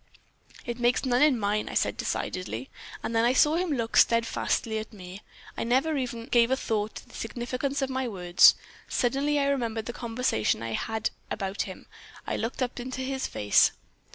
"'It makes none in mine,' I said, decidedly; and then I saw him look steadfastly at me. I never even gave a thought to the significance of my words. Suddenly I remembered the conversation I had had about him. I looked up into his face.